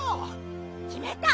きめた。